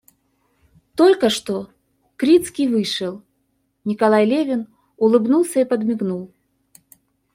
Только что Крицкий вышел, Николай Левин улыбнулся и подмигнул.